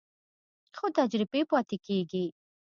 خو تجربې پاتې کېږي.